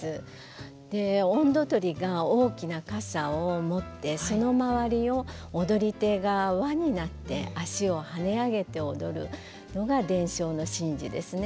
音頭取りが大きな傘を持ってその周りを踊り手が輪になって足を跳ね上げて踊るのが伝承の神事ですね。